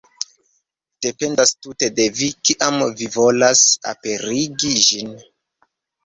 Dependas tute de vi, kiam vi volas aperigi ĝin.